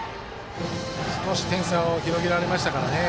少し点差を広げられましたからね。